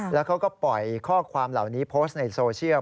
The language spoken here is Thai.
แล้วเขาก็ปล่อยข้อความเหล่านี้โพสต์ในโซเชียล